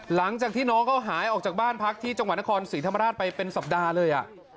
หลังจากน้องก็หายออกจากบ้านพักที่จังหวัยนขรสิรภรรณปลายเป็นสัปดาธิเลย